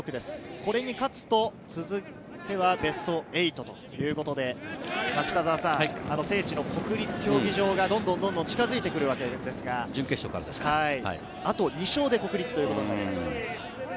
これに勝つと、続いてはベスト８ということで、聖地の国立競技場がどんどん近づいてくるわけですが、あと２勝で国立ということになります。